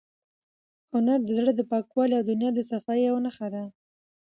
هنر د زړه د پاکوالي او د نیت د صفایۍ یوه نښه ده.